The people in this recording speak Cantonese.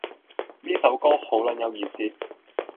呢首歌好撚有意思